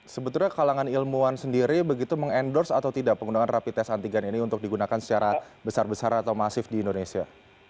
sebetulnya kalangan ilmuwan sendiri begitu mengendorse atau tidak penggunaan rapi tes antigen ini untuk digunakan secara besar besaran atau masif di indonesia